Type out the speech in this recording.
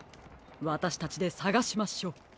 わたしたちでさがしましょう。